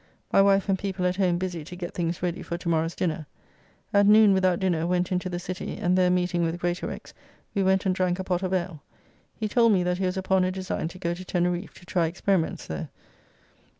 My wife and people at home busy to get things ready for tomorrow's dinner. At noon, without dinner, went into the City, and there meeting with Greatorex, we went and drank a pot of ale. He told me that he was upon a design to go to Teneriffe to try experiments there.